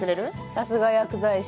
さすが薬剤師。